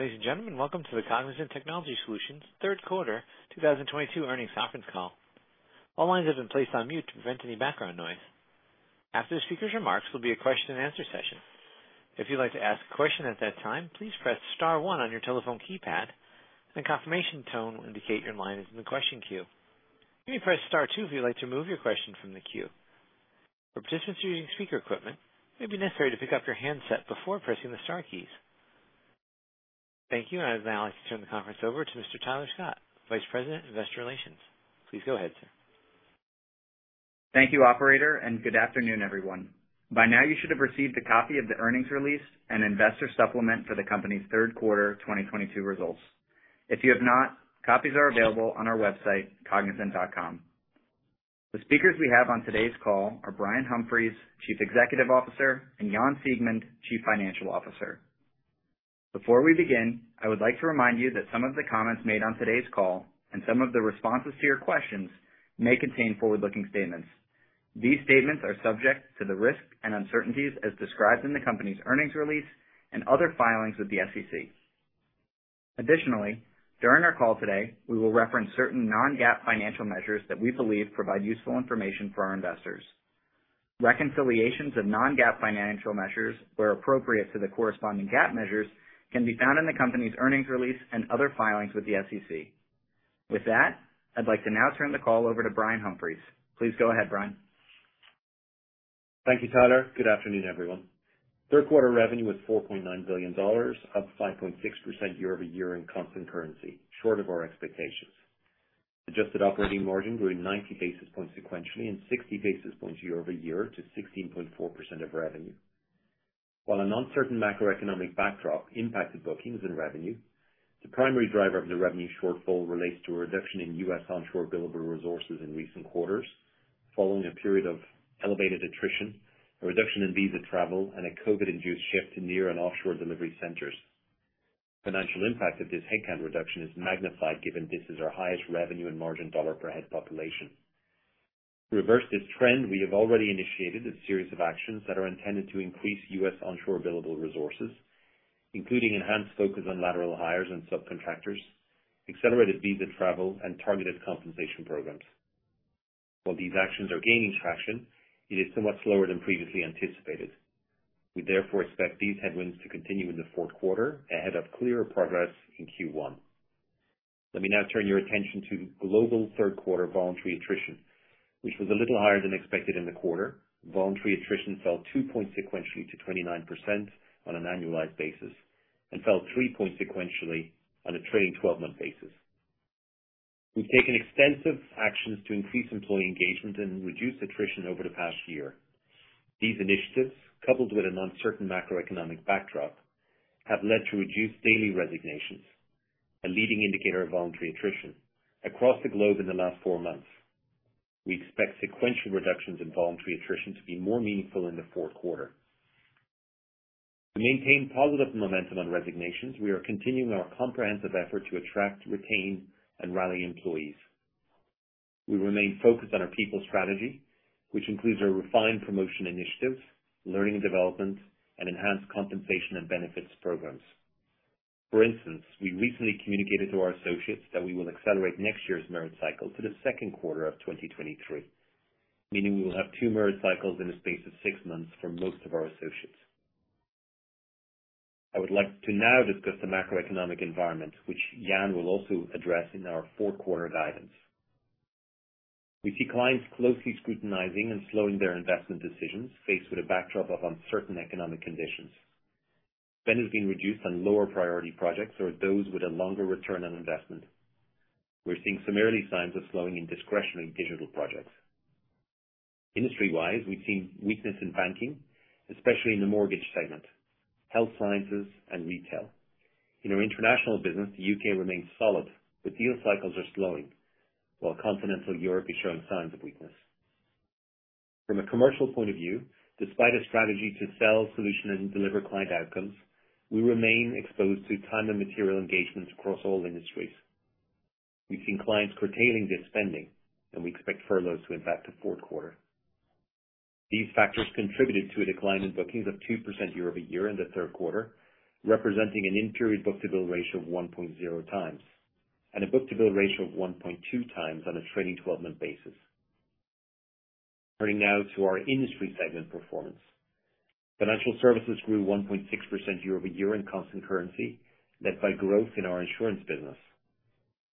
Ladies and gentlemen, welcome to the Cognizant Technology Solutions third quarter 2022 earnings conference call. All lines have been placed on mute to prevent any background noise. After the speaker's remarks will be a question and answer session. If you'd like to ask a question at that time, please press star one on your telephone keypad and a confirmation tone will indicate your line is in the question queue. You may press star two if you'd like to remove your question from the queue. For participants using speaker equipment, it may be necessary to pick up your handset before pressing the star keys. Thank you. I'd now like to turn the conference over to Mr. Tyler Scott, Vice President, Investor Relations. Please go ahead, sir. Thank you operator, and good afternoon, everyone. By now you should have received a copy of the earnings release and investor supplement for the company's third quarter 2022 results. If you have not, copies are available on our website, Cognizant.com. The speakers we have on today's call are Brian Humphries, Chief Executive Officer, and Jan Siegmund, Chief Financial Officer. Before we begin, I would like to remind you that some of the comments made on today's call and some of the responses to your questions may contain forward-looking statements. These statements are subject to the risks and uncertainties as described in the company's earnings release and other filings with the SEC. Additionally, during our call today, we will reference certain non-GAAP financial measures that we believe provide useful information for our investors. Reconciliations of non-GAAP financial measures, where appropriate to the corresponding GAAP measures, can be found in the company's earnings release and other filings with the SEC. With that, I'd like to now turn the call over to Brian Humphries. Please go ahead, Brian. Thank you, Tyler. Good afternoon, everyone. Third quarter revenue was $4.9 billion, up 5.6% year-over-year in constant currency, short of our expectations. Adjusted operating margin grew 90 basis points sequentially and 60 basis points year-over-year to 16.4% of revenue. While an uncertain macroeconomic backdrop impacted bookings and revenue, the primary driver of the revenue shortfall relates to a reduction in U.S. onshore billable resources in recent quarters following a period of elevated attrition, a reduction in visa travel, and a COVID-induced shift in near and offshore delivery centers. Financial impact of this headcount reduction is magnified given this is our highest revenue and margin dollar per head population. To reverse this trend, we have already initiated a series of actions that are intended to increase U.S. onshore billable resources, including enhanced focus on lateral hires and subcontractors, accelerated visa travel and targeted compensation programs. While these actions are gaining traction, it is somewhat slower than previously anticipated. We therefore expect these headwinds to continue in the fourth quarter ahead of clearer progress in Q1. Let me now turn your attention to global third quarter voluntary attrition, which was a little higher than expected in the quarter. Voluntary attrition fell two points sequentially to 29% on an annualized basis and fell three points sequentially on a trailing twelve-month basis. We've taken extensive actions to increase employee engagement and reduce attrition over the past year. These initiatives, coupled with an uncertain macroeconomic backdrop, have led to reduced daily resignations, a leading indicator of voluntary attrition across the globe in the last four months. We expect sequential reductions in voluntary attrition to be more meaningful in the fourth quarter. To maintain positive momentum on resignations, we are continuing our comprehensive effort to attract, retain, and rally employees. We remain focused on our people strategy, which includes our refined promotion initiatives, learning and development, and enhanced compensation and benefits programs. For instance, we recently communicated to our associates that we will accelerate next year's merit cycle to the second quarter of 2023, meaning we will have two merit cycles in the space of six months for most of our associates. I would like to now discuss the macroeconomic environment, which Jan will also address in our fourth quarter guidance. We see clients closely scrutinizing and slowing their investment decisions, faced with a backdrop of uncertain economic conditions. Spend has been reduced on lower priority projects or those with a longer return on investment. We're seeing some early signs of slowing in discretionary digital projects. Industry-wise, we've seen weakness in banking, especially in the mortgage segment, health sciences and retail. In our international business, the U.K. remains solid, but deal cycles are slowing, while continental Europe is showing signs of weakness. From a commercial point of view, despite a strategy to sell solutions and deliver client outcomes, we remain exposed to time and material engagements across all industries. We've seen clients curtailing their spending, and we expect furloughs to impact the fourth quarter. These factors contributed to a decline in bookings of 2% year-over-year in the third quarter, representing an in-period book-to-bill ratio of 1.0x and a book-to-bill ratio of 1.2x on a trailing twelve-month basis. Turning now to our industry segment performance. Financial services grew 1.6% year-over-year in constant currency, led by growth in our insurance business.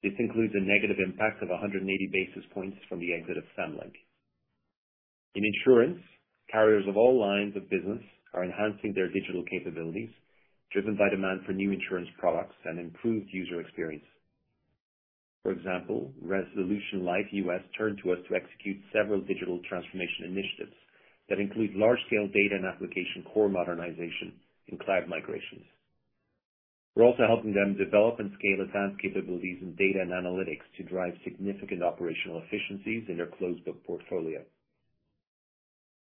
This includes a negative impact of 180 basis points from the exit of Samlink. In insurance, carriers of all lines of business are enhancing their digital capabilities, driven by demand for new insurance products and improved user experience. For example, Resolution Life US turned to us to execute several digital transformation initiatives that include large-scale data and application core modernization in cloud migrations. We're also helping them develop and scale advanced capabilities in data and analytics to drive significant operational efficiencies in their closed book portfolio.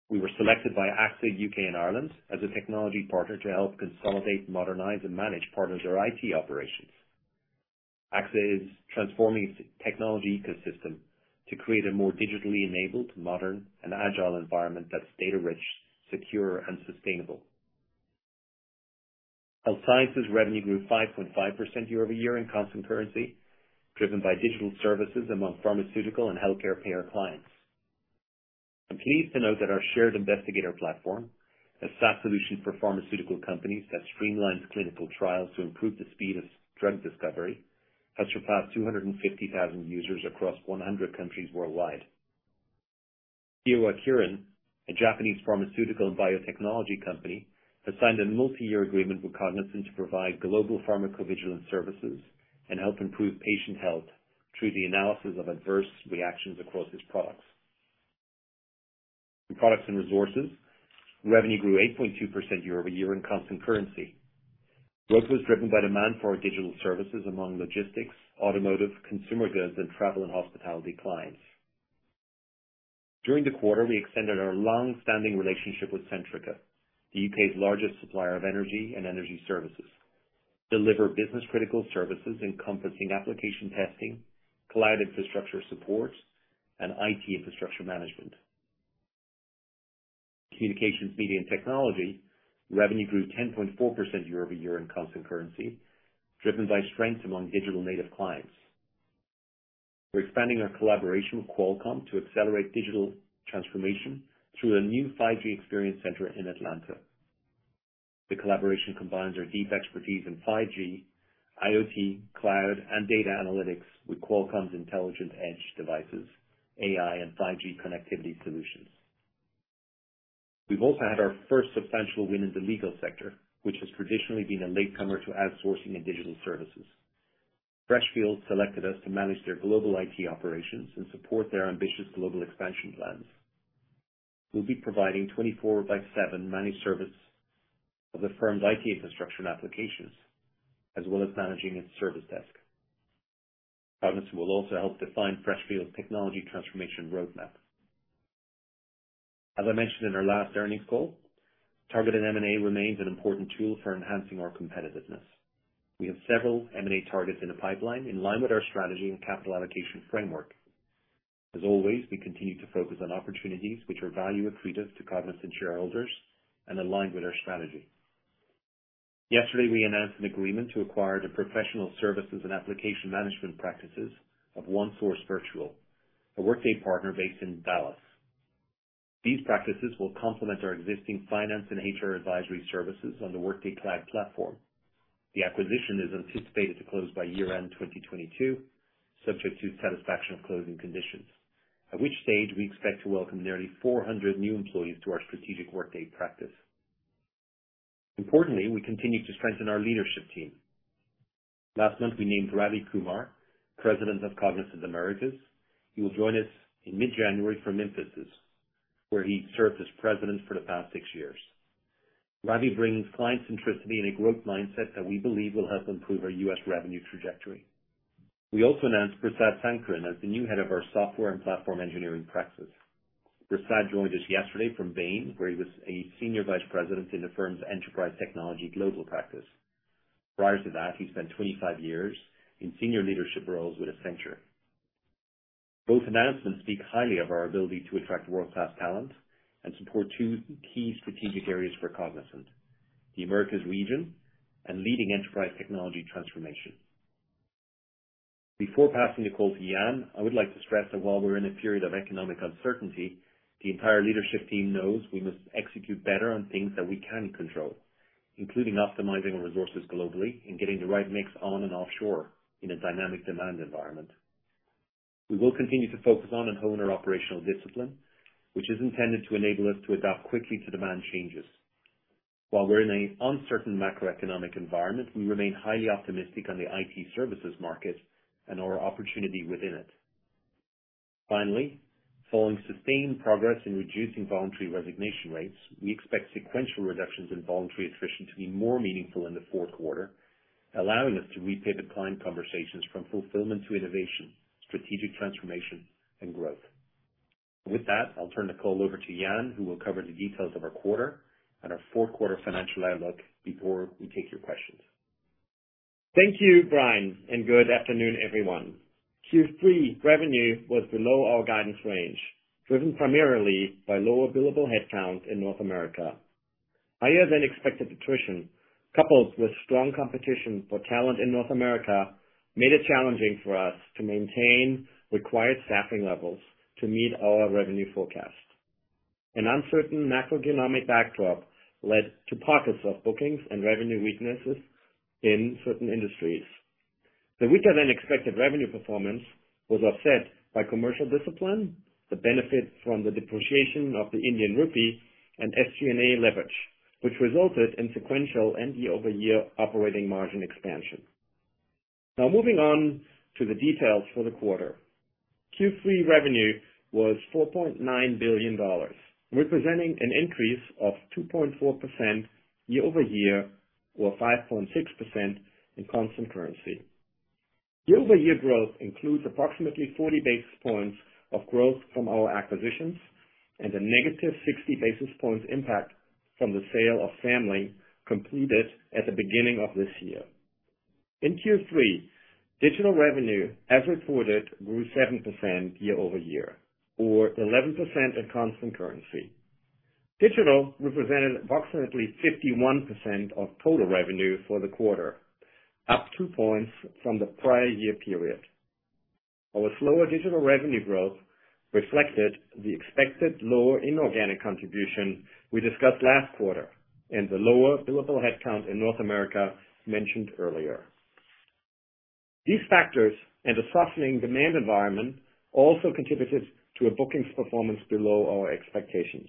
We were selected by AXA UK & Ireland as a technology partner to help consolidate, modernize, and manage part of their IT operations. AXA is transforming its technology ecosystem to create a more digitally enabled, modern and agile environment that's data rich, secure and sustainable. Health Sciences revenue grew 5.5% year-over-year in constant currency, driven by digital services among pharmaceutical and healthcare payer clients. I'm pleased to note that our Shared Investigator Platform, a SaaS solution for pharmaceutical companies that streamlines clinical trials to improve the speed of drug discovery, has surpassed 250,000 users across 100 countries worldwide. Kyowa Kirin, a Japanese pharmaceutical and biotechnology company, has signed a multi-year agreement with Cognizant to provide global pharmacovigilance services and help improve patient health through the analysis of adverse reactions across its products. In Products and Resources, revenue grew 8.2% year-over-year in constant currency. Growth was driven by demand for our digital services among logistics, automotive, consumer goods, and travel and hospitality clients. During the quarter, we extended our long-standing relationship with Centrica, the U.K.'s largest supplier of energy and energy services, deliver business-critical services encompassing application testing, cloud infrastructure support, and IT infrastructure management. Communications, media, and technology revenue grew 10.4% year-over-year in constant currency, driven by strength among digital native clients. We're expanding our collaboration with Qualcomm to accelerate digital transformation through a new 5G experience center in Atlanta. The collaboration combines our deep expertise in 5G, IoT, cloud, and data analytics with Qualcomm's intelligent edge devices, AI, and 5G connectivity solutions. We've also had our first substantial win in the legal sector, which has traditionally been a latecomer to outsourcing and digital services. Freshfields selected us to manage their global IT operations and support their ambitious global expansion plans. We'll be providing 24/7 managed service of the firm's IT infrastructure and applications, as well as managing its service desk. Cognizant will also help define Freshfields' technology transformation roadmap. As I mentioned in our last earnings call, targeted M&A remains an important tool for enhancing our competitiveness. We have several M&A targets in the pipeline in line with our strategy and capital allocation framework. As always, we continue to focus on opportunities which are value accretive to Cognizant shareholders and aligned with our strategy. Yesterday, we announced an agreement to acquire the professional services and application management practices of OneSource Virtual, a Workday partner based in Dallas. These practices will complement our existing finance and HR advisory services on the Workday cloud platform. The acquisition is anticipated to close by year-end 2022, subject to satisfaction of closing conditions, at which stage we expect to welcome nearly 400 new employees to our strategic Workday practice. Importantly, we continue to strengthen our leadership team. Last month, we named Ravi Kumar President of Cognizant Americas. He will join us in mid-January from Infosys, where he served as president for the past six years. Ravi brings client centricity and a growth mindset that we believe will help improve our U.S. revenue trajectory. We also announced Prasad Sankaran as the new head of our software and platform engineering practice. Prasad joined us yesterday from Bain, where he was a senior vice president in the firm's enterprise technology global practice. Prior to that, he spent 25 years in senior leadership roles with Accenture. Both announcements speak highly of our ability to attract world-class talent and support two key strategic areas for Cognizant, the Americas region and leading enterprise technology transformation. Before passing the call to Jan, I would like to stress that while we're in a period of economic uncertainty, the entire leadership team knows we must execute better on things that we can control, including optimizing our resources globally and getting the right mix on and off shore in a dynamic demand environment. We will continue to focus on and hone our operational discipline, which is intended to enable us to adapt quickly to demand changes. While we're in an uncertain macroeconomic environment, we remain highly optimistic on the IT services market and our opportunity within it. Finally, following sustained progress in reducing voluntary resignation rates, we expect sequential reductions in voluntary attrition to be more meaningful in the fourth quarter, allowing us to repay the client conversations from fulfillment to innovation, strategic transformation, and growth. With that, I'll turn the call over to Jan, who will cover the details of our quarter and our fourth quarter financial outlook before we take your questions. Thank you, Brian, and good afternoon, everyone. Q3 revenue was below our guidance range, driven primarily by lower billable headcounts in North America. Higher-than-expected attrition, coupled with strong competition for talent in North America, made it challenging for us to maintain required staffing levels to meet our revenue forecast. An uncertain macroeconomic backdrop led to pockets of bookings and revenue weaknesses in certain industries. The weaker-than-expected revenue performance was offset by commercial discipline, the benefit from the depreciation of the Indian rupee and SG&A leverage, which resulted in sequential and year-over-year operating margin expansion. Now moving on to the details for the quarter. Q3 revenue was $4.9 billion, representing an increase of 2.4% year-over-year or 5.6% in constant currency. Year-over-year growth includes approximately 40 basis points of growth from our acquisitions. A negative 60 basis points impact from the sale of Samlink completed at the beginning of this year. In Q3, digital revenue as reported grew 7% year-over-year, or 11% at constant currency. Digital represented approximately 51% of total revenue for the quarter, up 2 points from the prior year period. Our slower digital revenue growth reflected the expected lower inorganic contribution we discussed last quarter, and the lower billable headcount in North America mentioned earlier. These factors and a softening demand environment also contributed to a bookings performance below our expectations.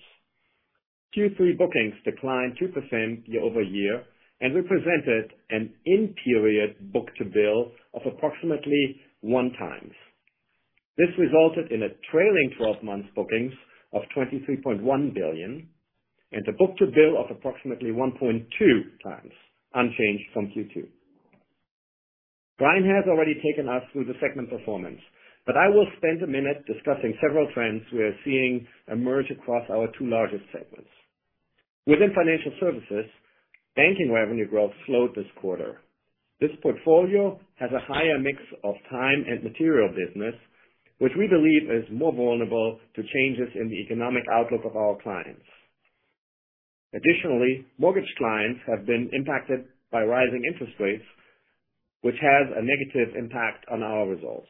Q3 bookings declined 2% year-over-year and represented an in-period book-to-bill of approximately 1x. This resulted in a trailing twelve months bookings of $23.1 billion and a book-to-bill of approximately 1.2 times, unchanged from Q2. Brian has already taken us through the segment performance, but I will spend a minute discussing several trends we are seeing emerge across our two largest segments. Within financial services, banking revenue growth slowed this quarter. This portfolio has a higher mix of time and material business, which we believe is more vulnerable to changes in the economic outlook of our clients. Additionally, mortgage clients have been impacted by rising interest rates, which has a negative impact on our results.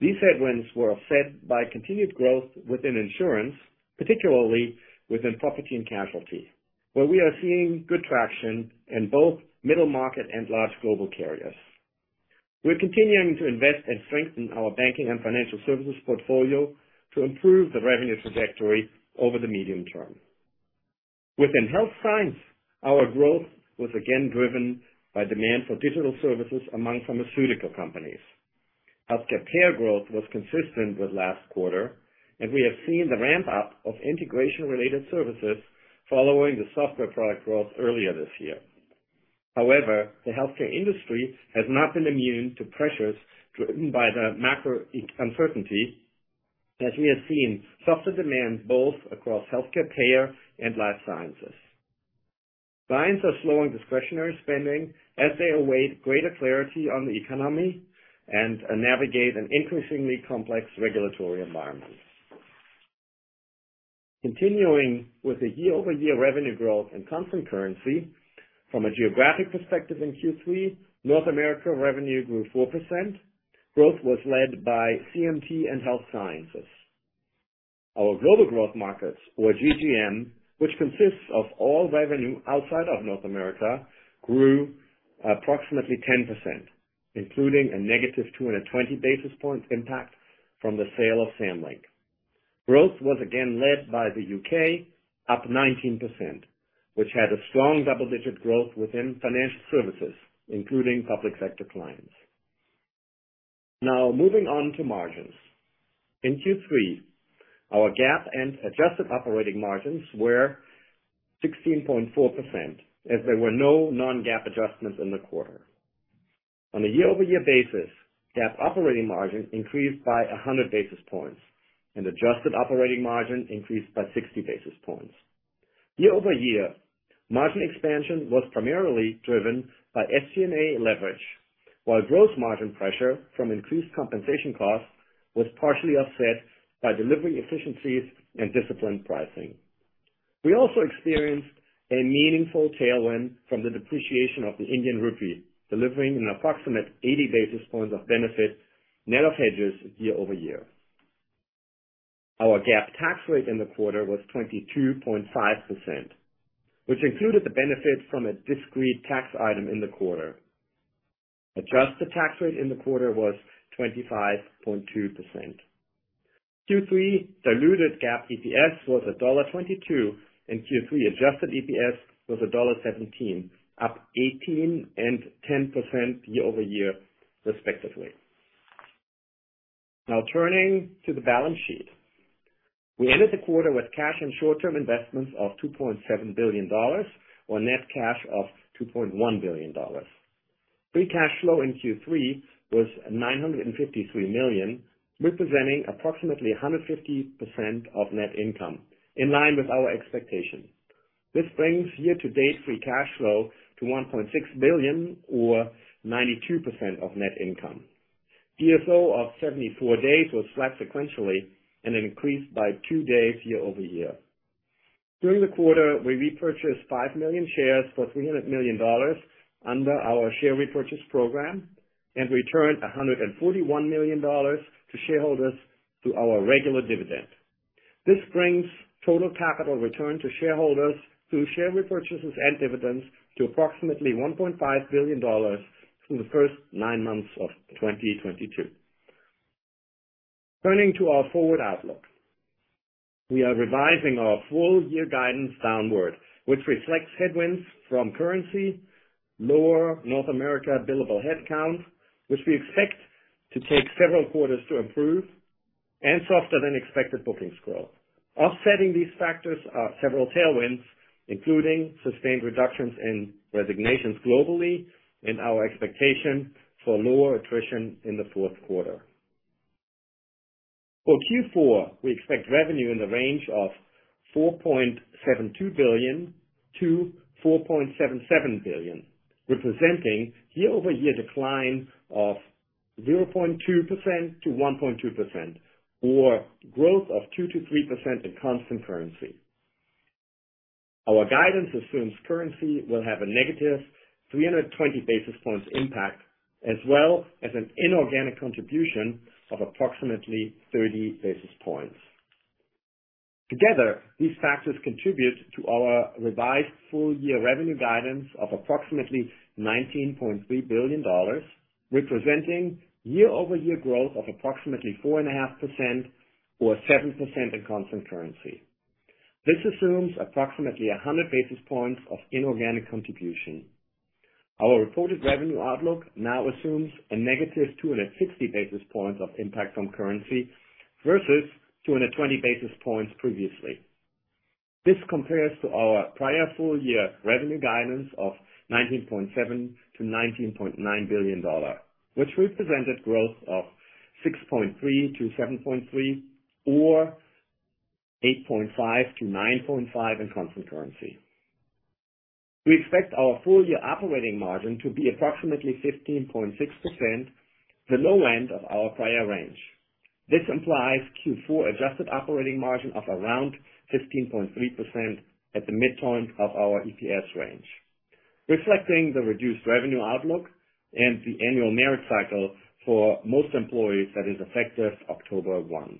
These headwinds were offset by continued growth within insurance, particularly within property and casualty, where we are seeing good traction in both middle market and large global carriers. We're continuing to invest and strengthen our banking and financial services portfolio to improve the revenue trajectory over the medium term. Within Health Sciences, our growth was again driven by demand for digital services among pharmaceutical companies. Healthcare payer growth was consistent with last quarter, and we have seen the ramp up of integration-related services following the software product growth earlier this year. However, the healthcare industry has not been immune to pressures driven by the macro uncertainty, as we have seen softer demand both across healthcare payer and life sciences. Clients are slowing discretionary spending as they await greater clarity on the economy and navigate an increasingly complex regulatory environment. Continuing with the year-over-year revenue growth and constant currency from a geographic perspective in Q3, North America revenue grew 4%. Growth was led by CMT and Health Sciences. Our global growth markets, or GGM, which consists of all revenue outside of North America, grew approximately 10%, including a negative 220 basis points impact from the sale of Samlink. Growth was again led by the UK, up 19%, which had a strong double-digit growth within financial services, including public sector clients. Now, moving on to margins. In Q3, our GAAP and adjusted operating margins were 16.4% as there were no non-GAAP adjustments in the quarter. On a year-over-year basis, GAAP operating margin increased by 100 basis points and adjusted operating margin increased by 60 basis points. Year-over-year, margin expansion was primarily driven by SG&A leverage, while gross margin pressure from increased compensation costs was partially offset by delivering efficiencies and disciplined pricing. We experienced a meaningful tailwind from the depreciation of the Indian rupee, delivering an approximate 80 basis points of benefit net of hedges year-over-year. Our GAAP tax rate in the quarter was 22.5%, which included the benefit from a discrete tax item in the quarter. Adjusted tax rate in the quarter was 25.2%. Q3 diluted GAAP EPS was $1.22, and Q3 adjusted EPS was $1.17, up 18% and 10% year-over-year, respectively. Now, turning to the balance sheet. We ended the quarter with cash and short-term investments of $2.7 billion, or net cash of $2.1 billion. Free cash flow in Q3 was $953 million, representing approximately 150% of net income, in line with our expectations. This brings year-to-date free cash flow to $1.6 billion or 92% of net income. DSO of 74 days was flat sequentially and increased by 2 days year-over-year. During the quarter, we repurchased 5 million shares for $300 million under our share repurchase program and returned $141 million to shareholders through our regular dividend. This brings total capital return to shareholders through share repurchases and dividends to approximately $1.5 billion through the first 9 months of 2022. Turning to our forward outlook. We are revising our full-year guidance downward, which reflects headwinds from currency, lower North America billable headcount, which we expect to take several quarters to improve, and softer-than-expected bookings growth. Offsetting these factors are several tailwinds, including sustained reductions in resignations globally and our expectation for lower attrition in the fourth quarter. For Q4, we expect revenue in the range of $4.72 billion-$4.77 billion, representing year-over-year decline of 0.2%-1.2% or growth of 2%-3% in constant currency. Our guidance assumes currency will have a negative 320 basis points impact as well as an inorganic contribution of approximately 30 basis points. Together, these factors contribute to our revised full-year revenue guidance of approximately $19.3 billion, representing year-over-year growth of approximately 4.5% or 7% in constant currency. This assumes approximately 100 basis points of inorganic contribution. Our reported revenue outlook now assumes a negative 260 basis points of impact from currency versus 220 basis points previously. This compares to our prior full-year revenue guidance of $19.7 billion-$19.9 billion, which represented growth of 6.3%-7.3% or 8.5%-9.5% in constant currency. We expect our full-year operating margin to be approximately 15.6%, the low end of our prior range. This implies Q4 adjusted operating margin of around 15.3% at the midpoint of our EPS range, reflecting the reduced revenue outlook and the annual merit cycle for most employees that is effective October 1.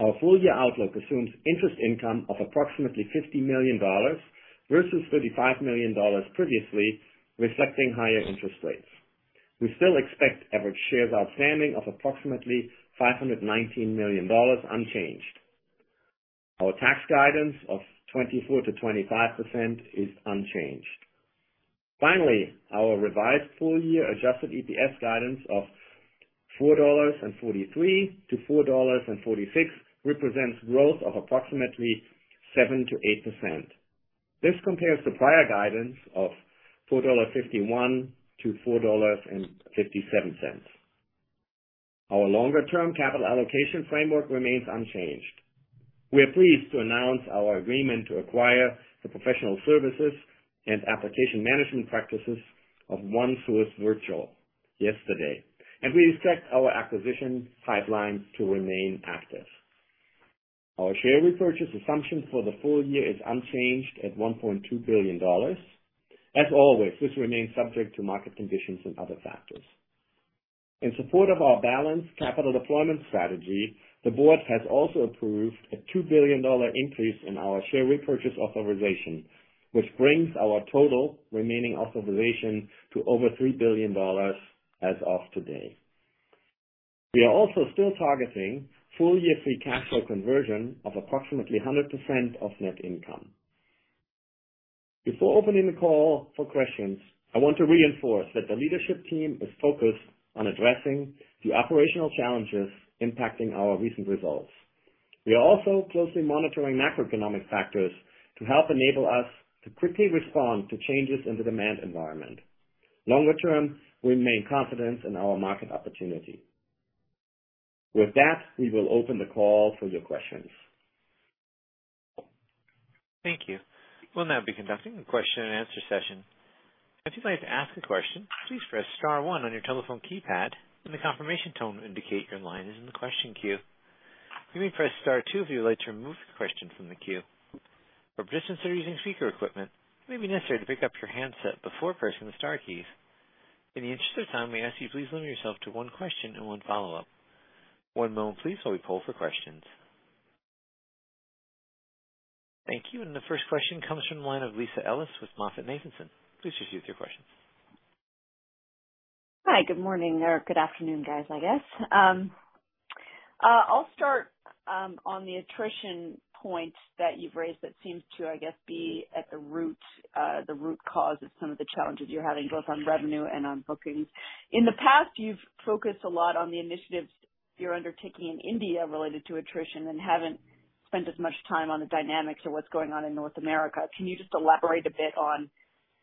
Our full-year outlook assumes interest income of approximately $50 million versus $35 million previously, reflecting higher interest rates. We still expect average shares outstanding of approximately 519 million shares unchanged. Our tax guidance of 24%-25% is unchanged. Finally, our revised full year adjusted EPS guidance of $4.43-$4.46 represents growth of approximately 7%-8%. This compares to prior guidance of $4.51-$4.57. Our longer term capital allocation framework remains unchanged. We are pleased to announce our agreement to acquire the professional services and application management practices of OneSource Virtual yesterday, and we expect our acquisition pipeline to remain active. Our share repurchase assumption for the full year is unchanged at $1.2 billion. As always, this remains subject to market conditions and other factors. In support of our balanced capital deployment strategy, the board has also approved a $2 billion increase in our share repurchase authorization, which brings our total remaining authorization to over $3 billion as of today. We are also still targeting full year free cash flow conversion of approximately 100% of net income. Before opening the call for questions, I want to reinforce that the leadership team is focused on addressing the operational challenges impacting our recent results. We are also closely monitoring macroeconomic factors to help enable us to quickly respond to changes in the demand environment. Longer term, we remain confident in our market opportunity. With that, we will open the call for your questions. Thank you. We'll now be conducting a question-and-answer session. If you'd like to ask a question, please press star one on your telephone keypad and the confirmation tone will indicate your line is in the question queue. You may press star two if you would like to remove your question from the queue. For participants that are using speaker equipment, it may be necessary to pick up your handset before pressing the star key. In the interest of time, we ask you please limit yourself to one question and one follow-up. One moment please while we poll for questions. Thank you. The first question comes from the line of Lisa Ellis with MoffettNathanson. Please proceed with your question. Hi, good morning, or good afternoon, guys, I guess. I'll start on the attrition point that you've raised. That seems to, I guess, be at the root cause of some of the challenges you're having, both on revenue and on bookings. In the past, you've focused a lot on the initiatives you're undertaking in India related to attrition and haven't spent as much time on the dynamics of what's going on in North America. Can you just elaborate a bit on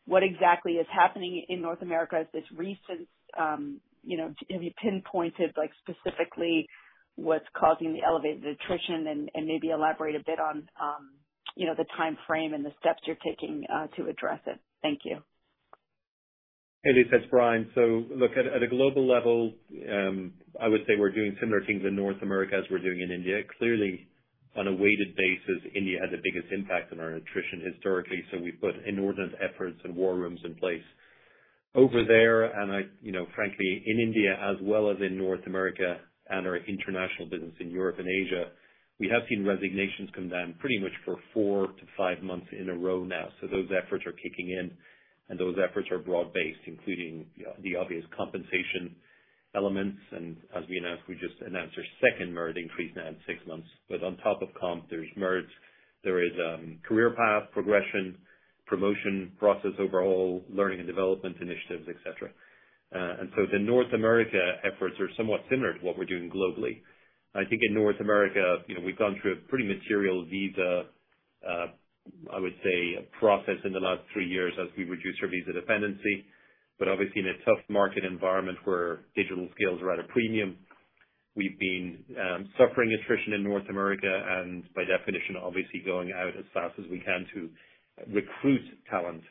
what exactly is happening in North America as this recent. You know, have you pinpointed, like, specifically what's causing the elevated attrition? Maybe elaborate a bit on you know, the timeframe and the steps you're taking to address it. Thank you. Hey, Lisa, it's Brian. Look, at a global level, I would say we're doing similar things in North America as we're doing in India. Clearly, on a weighted basis, India had the biggest impact on our attrition historically, so we put inordinate efforts and war rooms in place over there. You know, frankly, in India as well as in North America and our international business in Europe and Asia, we have seen resignations come down pretty much for four to five months in a row now. Those efforts are kicking in, and those efforts are broad-based, including the obvious compensation elements. As we announced, we just announced our second merit increase now in six months. On top of comp, there's perks, there is career path progression, promotion process overall, learning and development initiatives, et cetera. The North America efforts are somewhat similar to what we're doing globally. I think in North America, you know, we've gone through a pretty material visa. I would say, a process in the last three years as we reduce our visa dependency. Obviously in a tough market environment where digital skills are at a premium, we've been suffering attrition in North America and by definition, obviously going out as fast as we can to recruit talent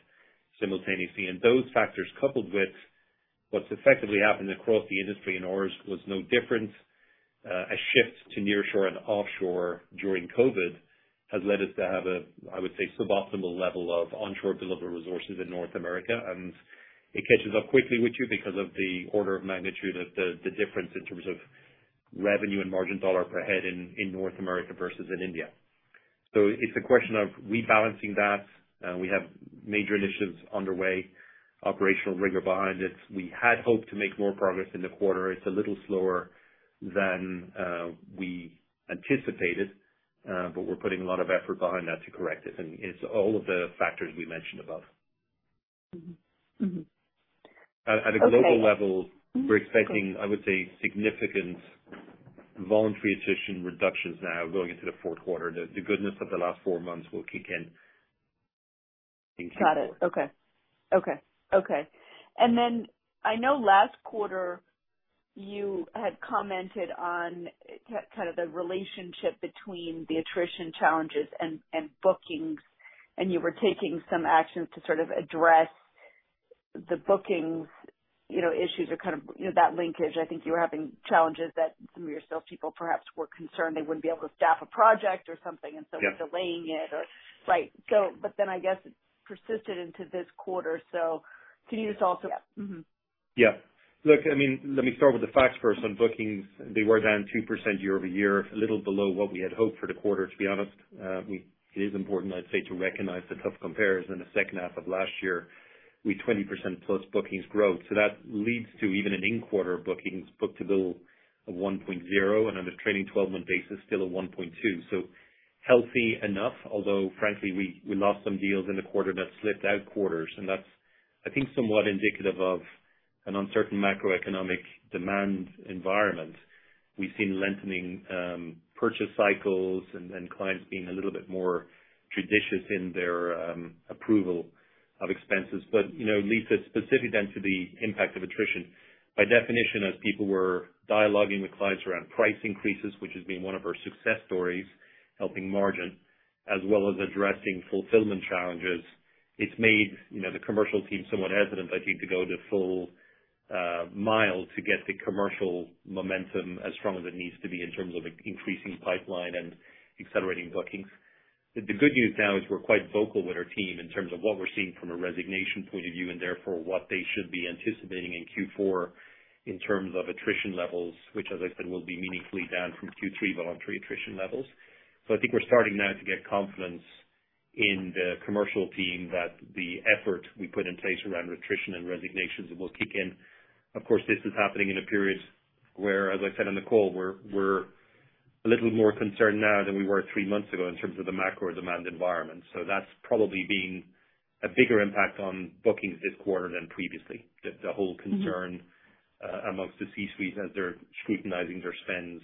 simultaneously. Those factors coupled with what's effectively happened across the industry and ours was no different, a shift to nearshore and offshore during COVID has led us to have a, I would say, suboptimal level of onshore delivery resources in North America, and it catches up quickly with you because of the order of magnitude of the difference in terms of revenue and margin dollar per head in North America versus in India. It's a question of rebalancing that. We have major initiatives underway, operational rigor behind it. We had hoped to make more progress in the quarter. It's a little slower than we anticipated, but we're putting a lot of effort behind that to correct it, and it's all of the factors we mentioned above. Mm-hmm. Mm-hmm. At a global level, we're expecting, I would say, significant voluntary attrition reductions now going into the fourth quarter. The goodness of the last four months will kick in. Got it. Okay. Then I know last quarter you had commented on kind of the relationship between the attrition challenges and bookings, and you were taking some actions to sort of address the bookings, you know, issues or kind of, you know, that linkage. I think you were having challenges that some of your salespeople perhaps were concerned they wouldn't be able to staff a project or something. Yeah. Right. I guess it persisted into this quarter, so can you just also- Yeah. Mm-hmm. Yeah. Look, I mean, let me start with the facts first on bookings. They were down 2% year-over-year, a little below what we had hoped for the quarter, to be honest. It is important, I'd say, to recognize the tough comparison the second half of last year, with 20%+ bookings growth. That leads to even an in-quarter bookings book-to-bill of 1.0 and on a trailing twelve-month basis, still a 1.2. Healthy enough, although frankly we lost some deals in the quarter that slipped out quarters and that's I think somewhat indicative of an uncertain macroeconomic demand environment. We've seen lengthening purchase cycles and clients being a little bit more judicious in their approval of expenses. You know, Lisa, specific then to the impact of attrition, by definition as people were dialoguing with clients around price increases, which has been one of our success stories, helping margin, as well as addressing fulfillment challenges, it's made, you know, the commercial team somewhat hesitant, I think, to go the full mile to get the commercial momentum as strong as it needs to be in terms of increasing pipeline and accelerating bookings. The good news now is we're quite vocal with our team in terms of what we're seeing from a resignation point of view, and therefore what they should be anticipating in Q4 in terms of attrition levels, which as I said, will be meaningfully down from Q3 voluntary attrition levels. I think we're starting now to get confidence in the commercial team that the effort we put in place around attrition and resignations will kick in. Of course, this is happening in a period where, as I said on the call, we're a little more concerned now than we were three months ago in terms of the macro demand environment. That's probably been a bigger impact on bookings this quarter than previously. The whole concern amongst the C-suites as they're scrutinizing their spends,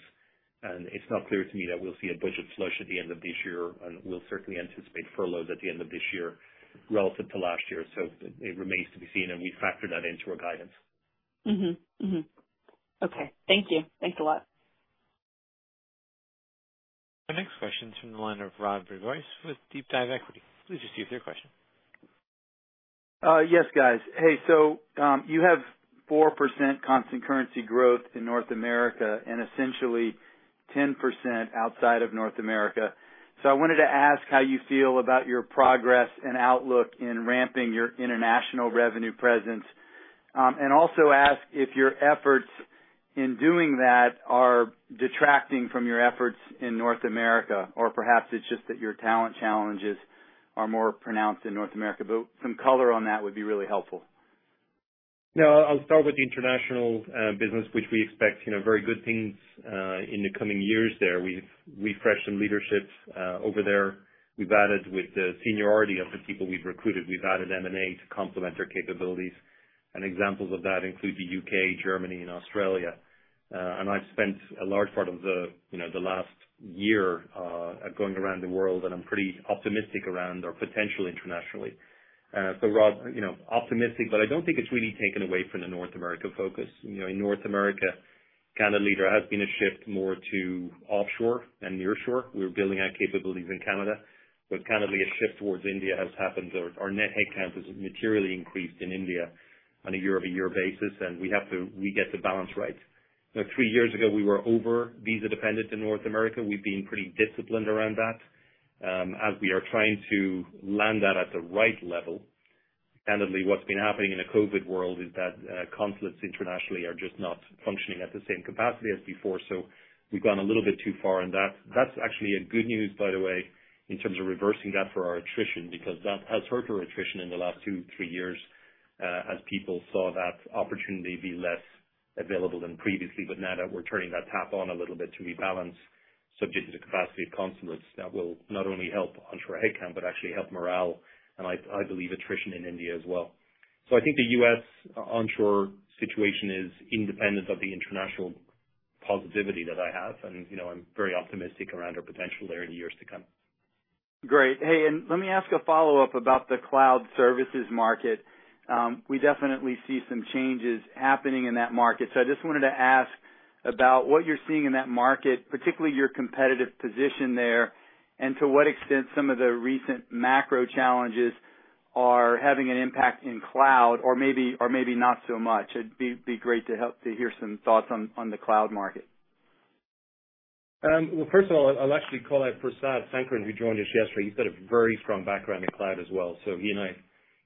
and it's not clear to me that we'll see a budget flush at the end of this year, and we'll certainly anticipate furloughs at the end of this year relative to last year. It remains to be seen, and we factor that into our guidance. Mm-hmm. Mm-hmm. Okay. Thank you. Thanks a lot. Our next question is from the line of Rod Bourgeois with DeepDive Equity. Please just give your question. Yes, guys. Hey, you have 4% constant currency growth in North America and essentially 10% outside of North America. I wanted to ask how you feel about your progress and outlook in ramping your international revenue presence, and also ask if your efforts in doing that are detracting from your efforts in North America or perhaps it's just that your talent challenges are more pronounced in North America. Some color on that would be really helpful. No, I'll start with the international business, which we expect, you know, very good things in the coming years there. We've refreshed some leaderships over there. We've added with the seniority of the people we've recruited. We've added M&A to complement their capabilities. Examples of that include the UK, Germany and Australia. I've spent a large part of the, you know, the last year going around the world, and I'm pretty optimistic around our potential internationally. Rod, you know, optimistic, but I don't think it's really taken away from the North America focus. You know, in North America, Canada leader has been a shift more to offshore than nearshore. We're building out capabilities in Canada, but candidly a shift towards India has happened. Our net headcount has materially increased in India on a year-over-year basis, and we get the balance right. Now three years ago, we were overly visa dependent in North America. We've been pretty disciplined around that, as we are trying to land that at the right level. Candidly, what's been happening in a COVID world is that consulates internationally are just not functioning at the same capacity as before, so we've gone a little bit too far on that. That's actually a good news, by the way, in terms of reversing that for our attrition, because that has hurt our attrition in the last two, three years, as people saw that opportunity be less available than previously. Now that we're turning that tap on a little bit to rebalance subject to the capacity of consulates, that will not only help onshore headcount, but actually help morale and I believe attrition in India as well. I think the U.S. onshore situation is independent of the international positivity that I have, and, you know, I'm very optimistic around our potential there in years to come. Great. Hey, let me ask a follow-up about the cloud services market. We definitely see some changes happening in that market, so I just wanted to ask about what you're seeing in that market, particularly your competitive position there, and to what extent some of the recent macro challenges are having an impact in cloud or maybe not so much. It'd be great to hear some thoughts on the cloud market. Well, first of all, I'll actually call out Prasad Sankaran, who joined us yesterday. He's got a very strong background in cloud as well, so he and I,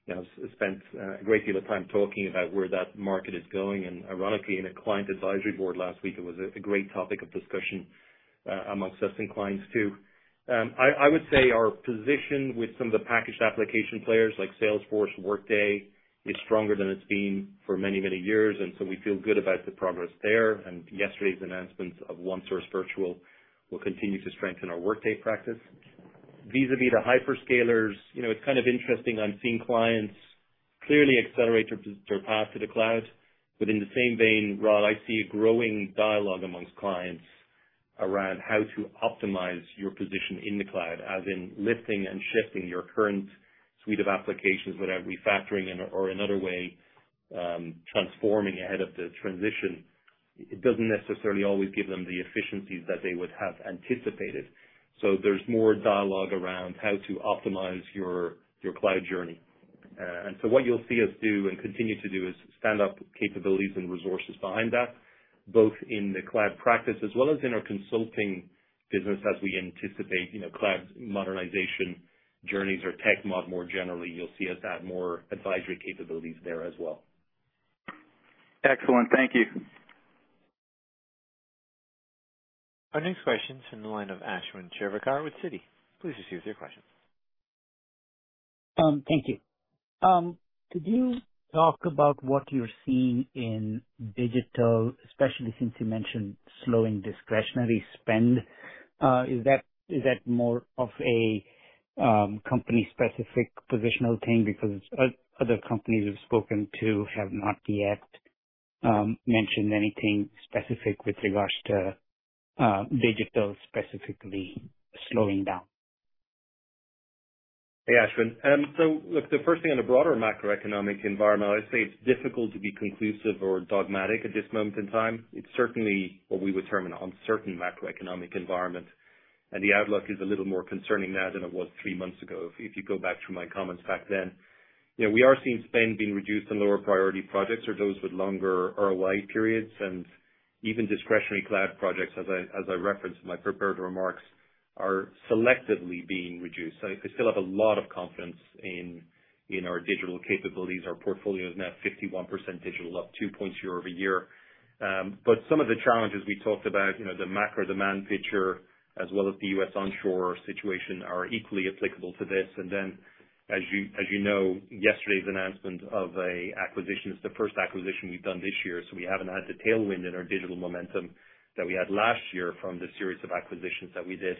you know, spent a great deal of time talking about where that market is going. Ironically, in a client advisory board last week, it was a great topic of discussion among us and clients too. I would say our position with some of the packaged application players like Salesforce, Workday is stronger than it's been for many, many years, and so we feel good about the progress there. Yesterday's announcements of OneSource Virtual will continue to strengthen our Workday practice. Vis-à-vis the hyperscalers, you know, it's kind of interesting. I'm seeing clients clearly accelerate their path to the cloud. In the same vein, Rod, I see a growing dialogue among clients around how to optimize your position in the cloud, as in lifting and shifting your current suite of applications without refactoring in or another way, transforming ahead of the transition. It doesn't necessarily always give them the efficiencies that they would have anticipated. There's more dialogue around how to optimize your cloud journey. What you'll see us do and continue to do is stand up capabilities and resources behind that, both in the cloud practice as well as in our consulting business, as we anticipate, you know, cloud modernization journeys or tech mod more generally. You'll see us add more advisory capabilities there as well. Excellent. Thank you. Our next question is in the line of Ashwin Shirvaikar with Citi. Please proceed with your question. Thank you. Could you talk about what you're seeing in digital, especially since you mentioned slowing discretionary spend? Is that more of a company-specific positional thing? Because other companies we've spoken to have not yet mentioned anything specific with regards to digital specifically slowing down. Hey, Ashwin. Look, the first thing on a broader macroeconomic environment, I'd say it's difficult to be conclusive or dogmatic at this moment in time. It's certainly what we would term an uncertain macroeconomic environment, and the outlook is a little more concerning now than it was three months ago, if you go back to my comments back then. You know, we are seeing spend being reduced on lower priority projects or those with longer ROI periods, and even discretionary cloud projects, as I referenced in my prepared remarks, are selectively being reduced. I still have a lot of confidence in our digital capabilities. Our portfolio is now 51% digital, up 2 points year-over-year. Some of the challenges we talked about, you know, the macro demand picture as well as the U.S. onshore situation are equally applicable to this. As you know, yesterday's announcement of an acquisition is the first acquisition we've done this year, so we haven't had the tailwind in our digital momentum that we had last year from the series of acquisitions that we did.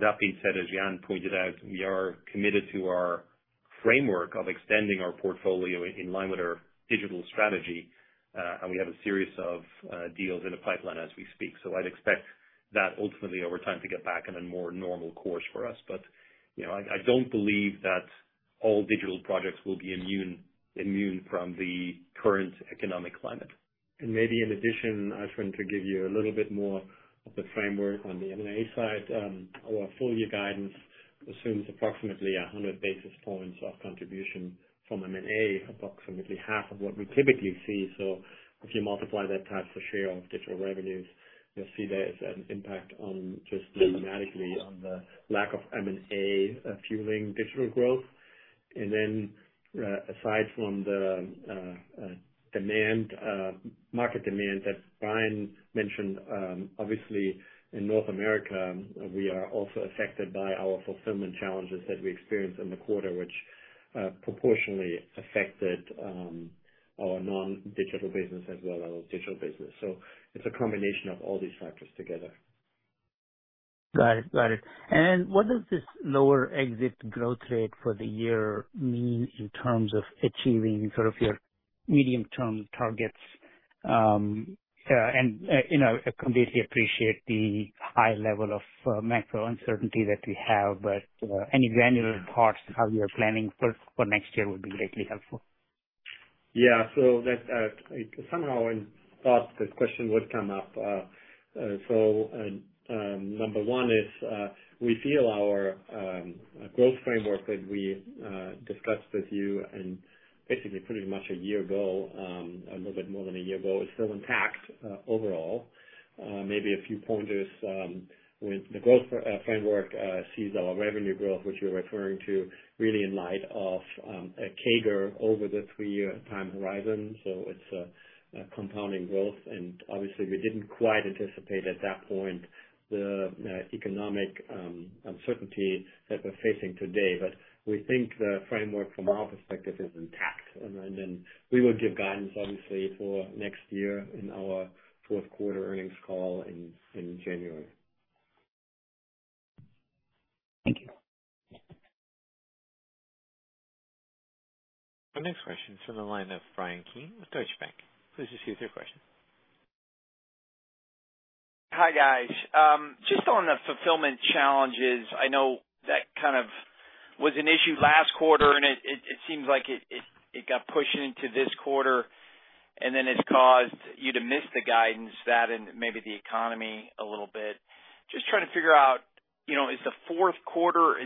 That being said, as Jan pointed out, we are committed to our framework of extending our portfolio in line with our digital strategy, and we have a series of deals in the pipeline as we speak. I'd expect that ultimately over time to get back on a more normal course for us. You know, I don't believe that all digital projects will be immune from the current economic climate. Maybe in addition, Ashwin, to give you a little bit more of the framework on the M&A side, our full year guidance assumes approximately 100 basis points of contribution from M&A, approximately half of what we typically see. If you multiply that times the share of digital revenues, you'll see there is an impact on just mathematically on the lack of M&A, fueling digital growth. Then, aside from the market demand that Brian mentioned, obviously in North America, we are also affected by our fulfillment challenges that we experienced in the quarter, which proportionally affected our non-digital business as well as our digital business. It's a combination of all these factors together. Got it. What does this lower exit growth rate for the year mean in terms of achieving sort of your medium-term targets? You know, I completely appreciate the high level of macro uncertainty that we have, but any granular parts of how you're planning for next year would be greatly helpful. Yeah. That, somehow I thought this question would come up. Number one is, we feel our growth framework that we discussed with you, and basically pretty much a year ago, a little bit more than a year ago, is still intact, overall. Maybe a few pointers with the growth framework sees our revenue growth, which you're referring to really in light of a CAGR over the three-year time horizon. It's compounding growth, and obviously we didn't quite anticipate at that point the economic uncertainty that we're facing today. We think the framework from our perspective is intact. Then we will give guidance obviously for next year in our fourth quarter earnings call in January. Thank you. Our next question's from the line of Bryan Keane with Deutsche Bank. Please proceed with your question. Hi, guys. Just on the fulfillment challenges, I know that kind of was an issue last quarter, and it seems like it got pushed into this quarter, and then it's caused you to miss the guidance, that and maybe the economy a little bit. Just trying to figure out, you know, is the fourth quarter,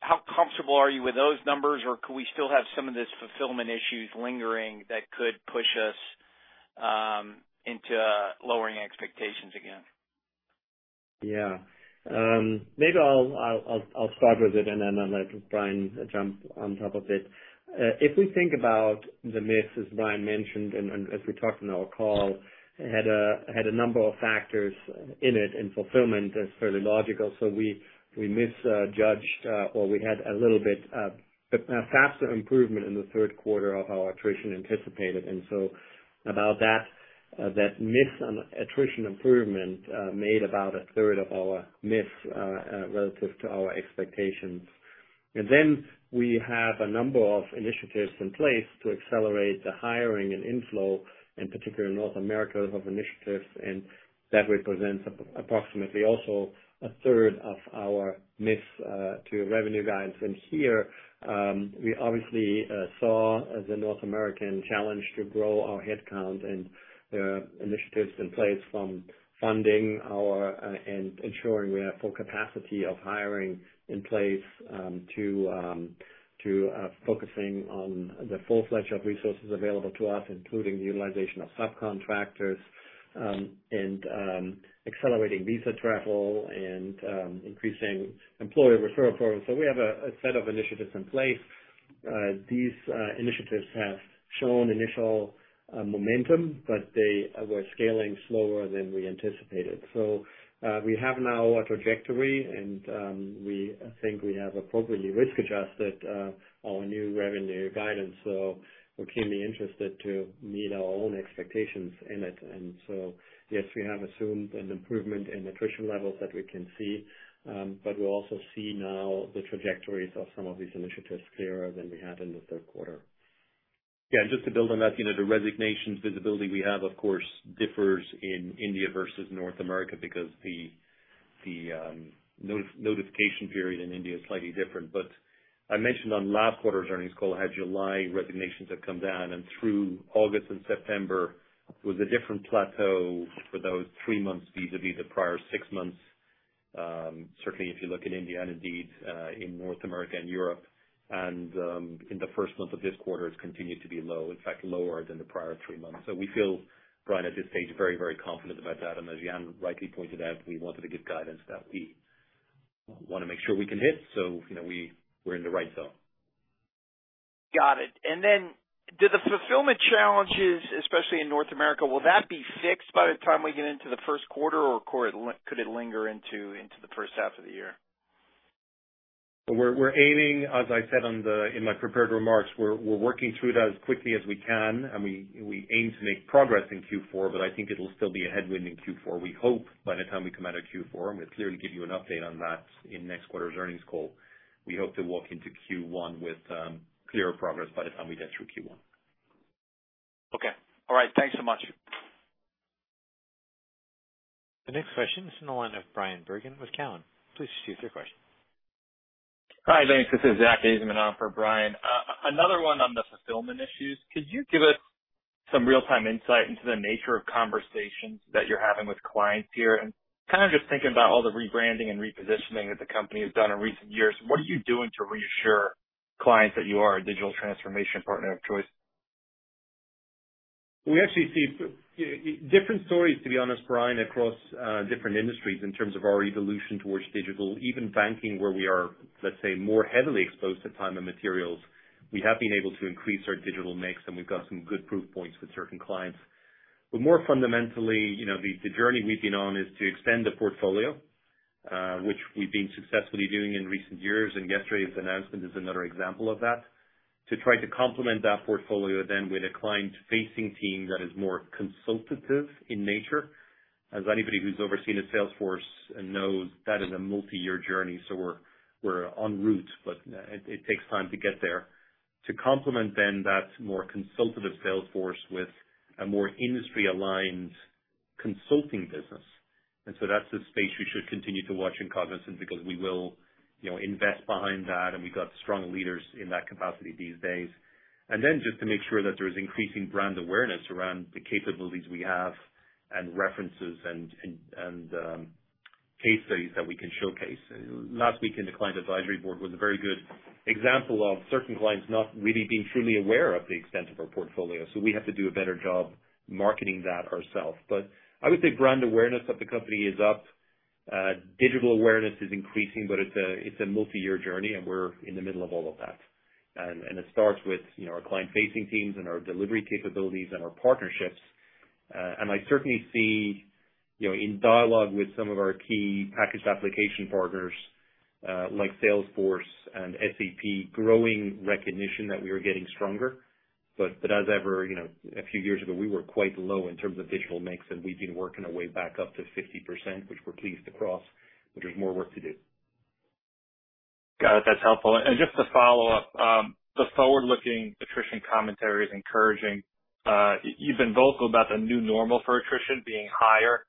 how comfortable are you with those numbers? Or could we still have some of these fulfillment issues lingering that could push us into lowering expectations again? Yeah. Maybe I'll start with it and then I'll let Brian jump on top of it. If we think about the miss, as Brian mentioned and as we talked in our call, it had a number of factors in it, and fulfillment is fairly logical, so we misjudged or we had a little bit faster improvement in the third quarter than we anticipated. About that miss on attrition improvement made about a third of our miss relative to our expectations. Then we have a number of initiatives in place to accelerate the hiring and inflow in particular in North America, and that represents approximately also a third of our miss to revenue guidance. Here, we obviously saw the North American challenge to grow our headcount and there are initiatives in place from funding our and ensuring we have full capacity of hiring in place, to focusing on the full breadth of resources available to us, including the utilization of subcontractors, and accelerating visa travel and increasing employee referral programs. We have a set of initiatives in place. These initiatives have shown initial momentum, but they were scaling slower than we anticipated. We have now a trajectory, and we think we have appropriately risk-adjusted our new revenue guidance. We're keenly interested to meet our own expectations in it. Yes, we have assumed an improvement in attrition levels that we can see, but we also see now the trajectories of some of these initiatives clearer than we had in the third quarter. Yeah, just to build on that, you know, the resignations visibility we have, of course, differs in India versus North America because the notification period in India is slightly different. I mentioned on last quarter's earnings call how July resignations have come down, and through August and September was a different plateau for those three months vis-a-vis the prior six months, certainly if you look at India and indeed in North America and Europe. In the first month of this quarter, it's continued to be low, in fact, lower than the prior three months. We feel, Brian, at this stage, very, very confident about that. As Jan rightly pointed out, we wanted to give guidance that we wanna make sure we can hit. You know, we're in the right zone. Got it. Do the fulfillment challenges, especially in North America, will that be fixed by the time we get into the first quarter, or could it linger into the first half of the year? We're aiming, as I said in my prepared remarks, we're working through that as quickly as we can, and we aim to make progress in Q4, but I think it'll still be a headwind in Q4. We hope by the time we come out of Q4, I'm gonna clearly give you an update on that in next quarter's earnings call. We hope to walk into Q1 with clearer progress by the time we get through Q1. Okay. All right. Thanks so much. The next question is from the line of Brian Bergen with Cowen. Please proceed with your question. Hi, thanks. This is Zack Ajzenman on for Brian. Another one on the fulfillment issues. Could you give us some real-time insight into the nature of conversations that you're having with clients here? Kind of just thinking about all the rebranding and repositioning that the company has done in recent years, what are you doing to reassure clients that you are a digital transformation partner of choice? We actually see different stories, to be honest, Brian, across different industries in terms of our evolution towards digital. Even banking, where we are, let's say, more heavily exposed to time and materials, we have been able to increase our digital mix, and we've got some good proof points with certain clients. More fundamentally, you know, the journey we've been on is to extend the portfolio, which we've been successfully doing in recent years, and yesterday's announcement is another example of that. To try to complement that portfolio then with a client-facing team that is more consultative in nature. As anybody who's overseen a sales force knows, that is a multi-year journey. We're on route, but it takes time to get there. To complement then that more consultative sales force with a more industry-aligned consulting business. That's the space you should continue to watch in Cognizant because we will, you know, invest behind that, and we've got strong leaders in that capacity these days. Just to make sure that there's increasing brand awareness around the capabilities we have and references and case studies that we can showcase. Last week in the client advisory board was a very good example of certain clients not really being truly aware of the extent of our portfolio. We have to do a better job marketing that ourselves. I would say brand awareness of the company is up. Digital awareness is increasing, but it's a multi-year journey and we're in the middle of all of that. It starts with, you know, our client-facing teams and our delivery capabilities and our partnerships. I certainly see, you know, in dialogue with some of our key packaged application partners, like Salesforce and SAP, growing recognition that we are getting stronger. As ever, you know, a few years ago, we were quite low in terms of digital mix, and we've been working our way back up to 50%, which we're pleased to cross, but there's more work to do. Got it. That's helpful. Just to follow up, the forward-looking attrition commentary is encouraging. You've been vocal about the new normal for attrition being higher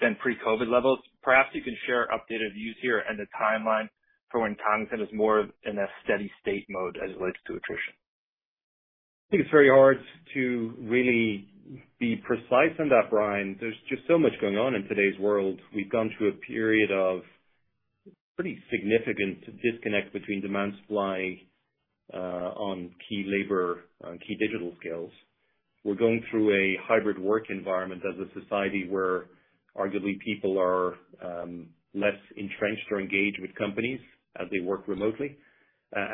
than pre-COVID levels. Perhaps you can share updated views here and the timeline for when Cognizant is more in a steady state mode as it relates to attrition. I think it's very hard to really be precise on that, Brian. There's just so much going on in today's world. We've gone through a period of pretty significant disconnect between demand supply, on key labor, on key digital skills. We're going through a hybrid work environment as a society where arguably people are less entrenched or engaged with companies as they work remotely.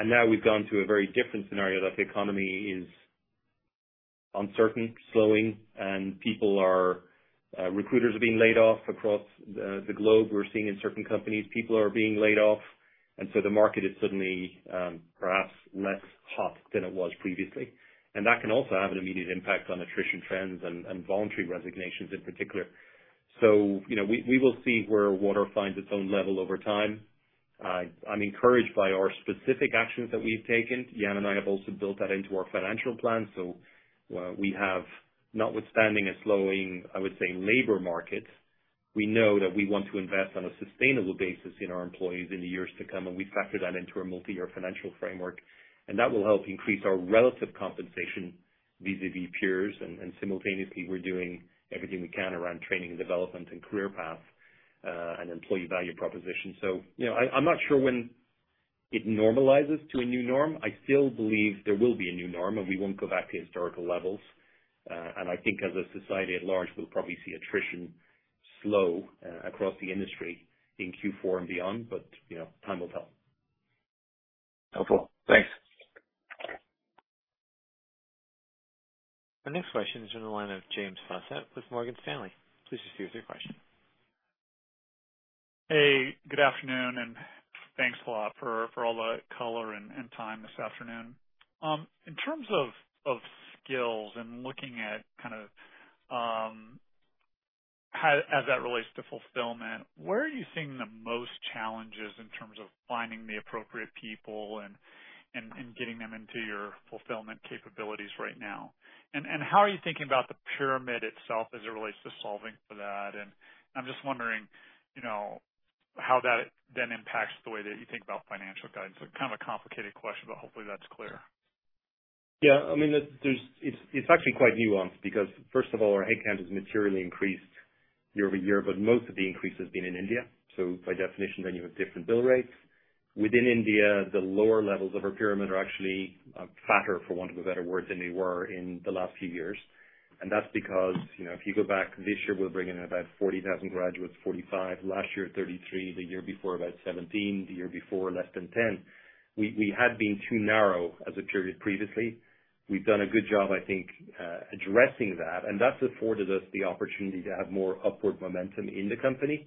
Now we've gone through a very different scenario that the economy is uncertain, slowing, and recruiters are being laid off across the globe. We're seeing in certain companies, people are being laid off. The market is suddenly perhaps less hot than it was previously. That can also have an immediate impact on attrition trends and voluntary resignations in particular. You know, we will see where water finds its own level over time. I'm encouraged by our specific actions that we've taken. Jan and I have also built that into our financial plan. We have, notwithstanding a slowing, I would say, labor market, we know that we want to invest on a sustainable basis in our employees in the years to come, and we factor that into our multi-year financial framework, and that will help increase our relative compensation vis-à-vis peers. Simultaneously, we're doing everything we can around training and development and career path, and employee value proposition. You know, I'm not sure when it normalizes to a new norm. I still believe there will be a new norm, and we won't go back to historical levels. I think as a society at large, we'll probably see attrition slow across the industry in Q4 and beyond, but you know, time will tell. Helpful. Thanks. Our next question is on the line of James Faucette with Morgan Stanley. Please proceed with your question. Hey, good afternoon, and thanks a lot for all the color and time this afternoon. In terms of skills and looking at kind of as that relates to fulfillment, where are you seeing the most challenges in terms of finding the appropriate people and getting them into your fulfillment capabilities right now? How are you thinking about the pyramid itself as it relates to solving for that? I'm just wondering, you know, how that then impacts the way that you think about financial guidance. Kind of a complicated question, but hopefully that's clear. Yeah. I mean, it's actually quite nuanced because first of all, our headcount has materially increased year-over-year, but most of the increase has been in India. By definition, then you have different bill rates. Within India, the lower levels of our pyramid are actually fatter, for want of a better word, than they were in the last few years. That's because, you know, if you go back this year, we're bringing in about 40,000 graduates, 45. Last year, 33. The year before, about 17. The year before, less than 10. We had been too narrow as a pyramid previously. We've done a good job, I think, addressing that, and that's afforded us the opportunity to have more upward momentum in the company,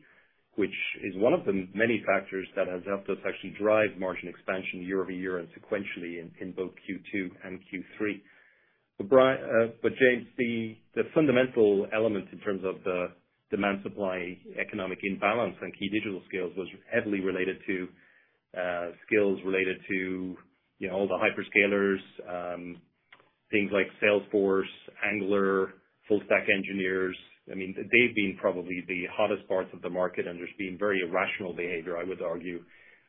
which is one of the many factors that has helped us actually drive margin expansion year-over-year and sequentially in both Q2 and Q3. James, the fundamental element in terms of the demand-supply economic imbalance and key digital skills was heavily related to skills related to, you know, all the hyperscalers, things like Salesforce, Angular, full stack engineers. I mean, they've been probably the hottest parts of the market, and there's been very irrational behavior, I would argue,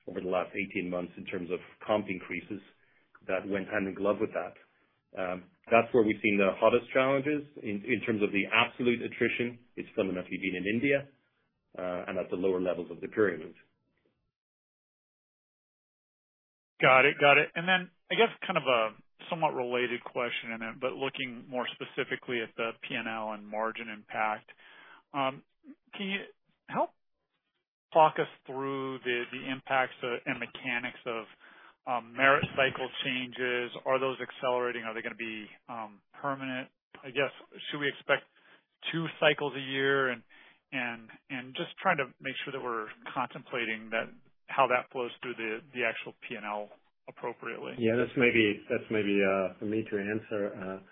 over the last 18 months in terms of comp increases that went hand in glove with that. That's where we've seen the hottest challenges. In terms of the absolute attrition, it's predominantly been in India, and at the lower levels of the pyramid. Got it. I guess kind of a somewhat related question, but looking more specifically at the P&L and margin impact, can you help talk us through the impacts and mechanics of merit cycle changes? Are those accelerating? Are they gonna be permanent? I guess, should we expect two cycles a year? Just trying to make sure that we're contemplating that, how that flows through the actual P&L appropriately. Yeah, that's maybe for me to answer.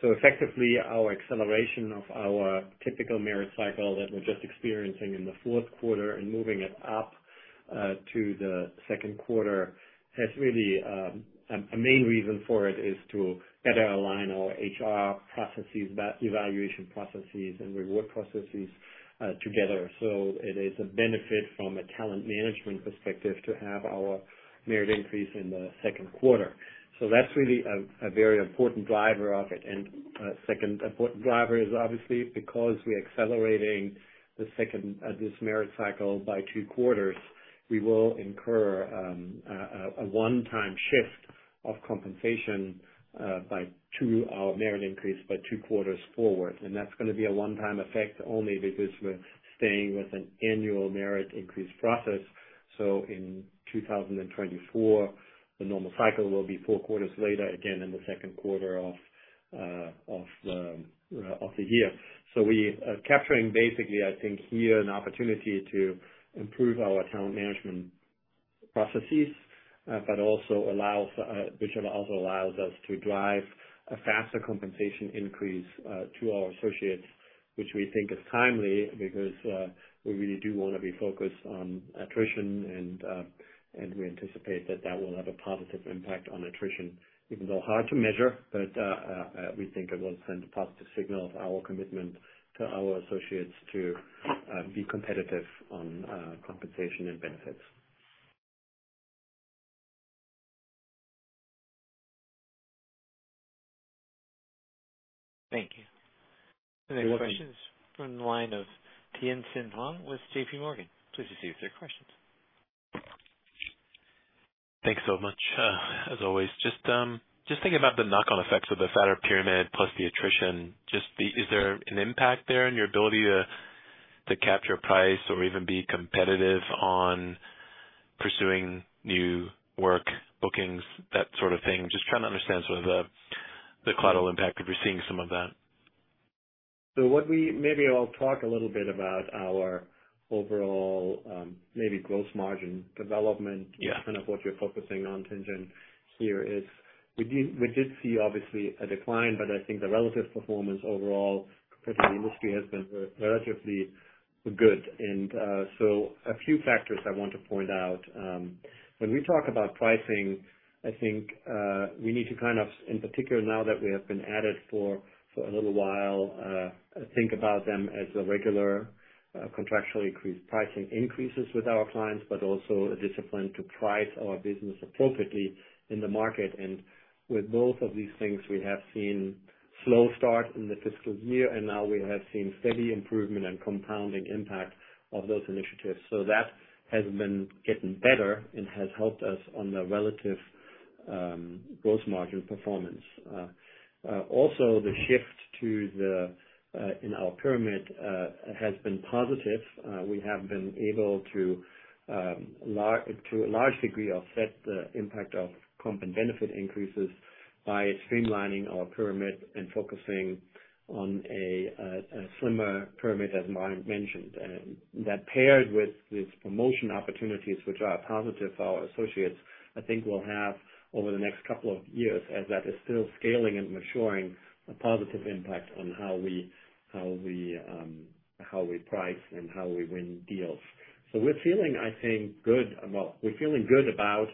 Effectively, our acceleration of our typical merit cycle that we're just experiencing in the fourth quarter and moving it up to the second quarter has really a main reason for it is to better align our HR processes, the evaluation processes and reward processes together. It is a benefit from a talent management perspective to have our merit increase in the second quarter. That's really a very important driver of it. A second important driver is obviously because we're accelerating this merit cycle by two quarters, we will incur a one-time shift of compensation by two merit increase by two quarters forward. That's gonna be a one-time effect only because we're staying with an annual merit increase process. In 2024, the normal cycle will be four quarters later, again in the second quarter of the year. We are capturing basically, I think, here an opportunity to improve our talent management processes. Which also allows us to drive a faster compensation increase to our associates, which we think is timely because we really do wanna be focused on attrition and we anticipate that will have a positive impact on attrition, even though hard to measure, but we think it will send a positive signal of our commitment to our associates to be competitive on compensation and benefits. Thank you. You're welcome. The next question is from the line of Tien-Tsin Huang with JP Morgan. Please proceed with your questions. Thanks so much, as always. Just thinking about the knock-on effects of the fatter pyramid plus the attrition, is there an impact there in your ability to capture price or even be competitive on pursuing new work bookings, that sort of thing? Just trying to understand sort of the collateral impact if you're seeing some of that. Maybe I'll talk a little bit about our overall, maybe gross margin development. Yeah. Kind of what you're focusing on, Tien-Tsin, here is, we did see obviously a decline, but I think the relative performance overall compared to the industry has been relatively good. A few factors I want to point out. When we talk about pricing, I think we need to kind of, in particular, now that we have been at it for a little while, think about them as a regular, contractually increased pricing increases with our clients, but also a discipline to price our business appropriately in the market. With both of these things, we have seen slow start in the fiscal year, and now we have seen steady improvement and compounding impact of those initiatives. That has been getting better and has helped us on the relative gross margin performance. Also, the shift in the pyramid has been positive. We have been able to a large degree, offset the impact of comp and benefit increases by streamlining our pyramid and focusing on a slimmer pyramid, as Martin mentioned. That paired with these promotion opportunities, which are positive for our associates, I think we'll have over the next couple of years, as that is still scaling and maturing, a positive impact on how we price and how we win deals. We're feeling, I think, good. Well, we're feeling good about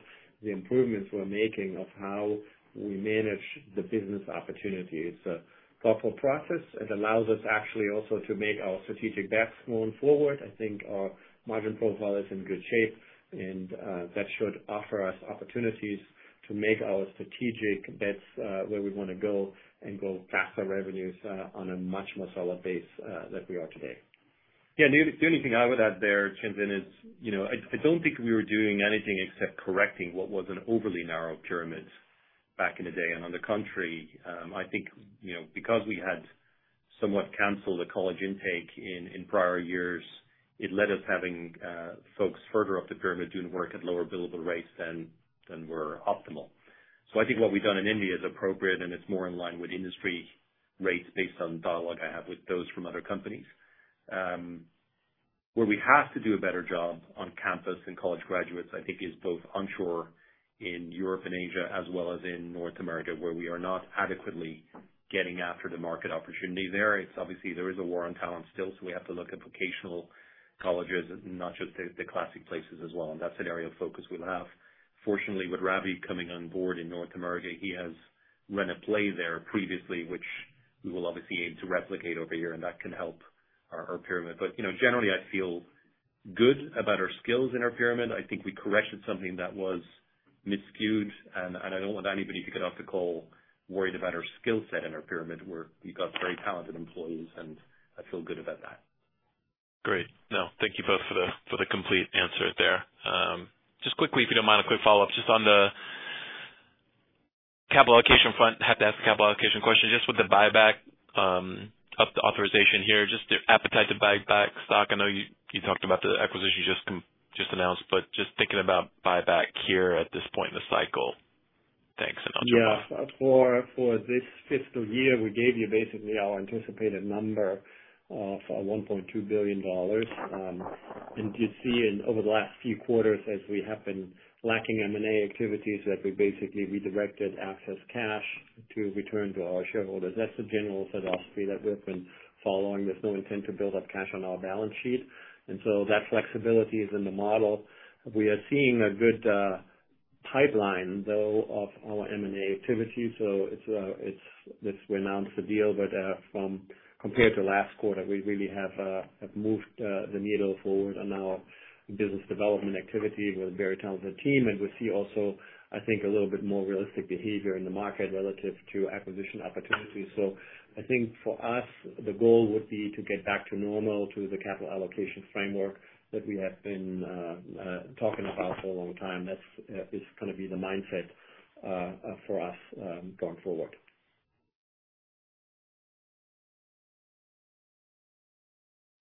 the improvements we're making of how we manage the business opportunities. It's a thoughtful process. It allows us actually also to make our strategic bets going forward. I think our margin profile is in good shape and that should offer us opportunities to make our strategic bets where we wanna go and grow faster revenues on a much more solid base than we are today. Yeah. The only thing I would add there, Tien-Tsin, is, you know, I don't think we were doing anything except correcting what was an overly narrow pyramid back in the day. On the contrary, I think, you know, because we had somewhat canceled the college intake in prior years, it led us having folks further up the pyramid doing work at lower billable rates than were optimal. I think what we've done in India is appropriate, and it's more in line with industry rates based on dialogue I have with those from other companies. Where we have to do a better job on campus and college graduates, I think, is both onshore in Europe and Asia as well as in North America, where we are not adequately getting after the market opportunity there. It's obviously there is a war on talent still, so we have to look at vocational colleges and not just the classic places as well, and that's an area of focus we'll have. Fortunately, with Ravi coming on board in North America, he has run a play there previously, which we will obviously aim to replicate over here, and that can help our pyramid. You know, generally I feel good about our skills in our pyramid. I think we corrected something that was miscued, and I don't want anybody to get off the call worried about our skill set in our pyramid. We've got very talented employees, and I feel good about that. Great. No, thank you both for the complete answer there. Just quickly, if you don't mind, a quick follow-up just on the capital allocation front. Have to ask a capital allocation question. Just with the buyback of the authorization here, just the appetite to buy back stock. I know you talked about the acquisition you just announced, but just thinking about buyback here at this point in the cycle. Thanks. Yeah. For this fiscal year, we gave you basically our anticipated number for $1.2 billion. You see over the last few quarters, as we have been lacking M&A activities, that we basically redirected excess cash to return to our shareholders. That's the general philosophy that we've been following. There's no intent to build up cash on our balance sheet. That flexibility is in the model. We are seeing a good pipeline though of our M&A activity. This, we announced the deal. Compared to last quarter, we really have moved the needle forward on our business development activity with a very talented team. We see also, I think, a little bit more realistic behavior in the market relative to acquisition opportunities. I think for us, the goal would be to get back to normal, to the capital allocation framework that we have been talking about for a long time. That's gonna be the mindset for us going forward.